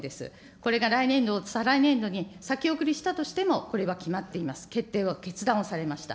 これが来年度、再来年度に先送りしたとしても、これは決まっています、決定を、決断をされました。